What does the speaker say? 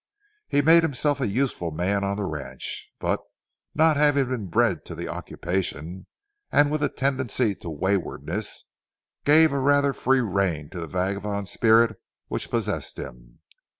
He made himself a useful man on the ranch, but, not having been bred to the occupation and with a tendency to waywardness, gave a rather free rein to the vagabond spirit which possessed him.